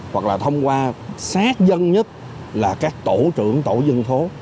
hoặc là thông qua sát dân nhất là các tổ trưởng tổ dân phố